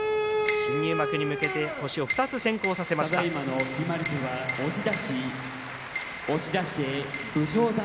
新入幕に向けて星を２つ先行させました武将山。